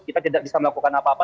kita tidak bisa melakukan apa apa